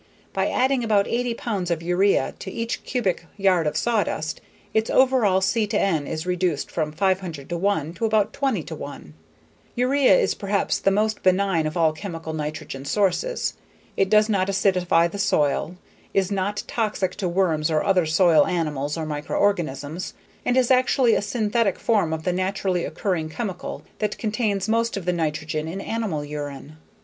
By adding about 80 pounds of urea to each cubic yard of sawdust, its overall C/N is reduced from 500:1 to about 20:1. Urea is perhaps the most benign of all chemical nitrogen sources. It does not acidify the soil, is not toxic to worms or other soil animals or microorganisms, and is actually a synthetic form of the naturally occurring chemical that contains most of the nitrogen in animal urine.